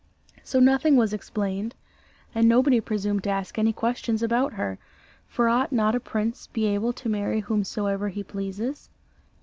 So nothing was explained, and nobody presumed to ask any questions about her, for ought not a prince be able to marry whomsoever he pleases?